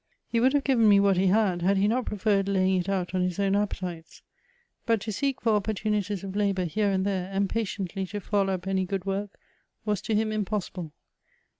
He would have given me what he had, had he not preferred laying it out on his own appetites ; but to seek for opportunities of labour here and there, and patiently to follow up any good work, was to him impossible.